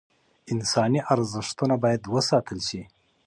انساني ارزښتونه باید وساتل شي.